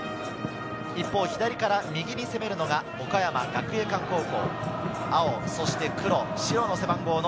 左から右に攻めるのが岡山学芸館高校。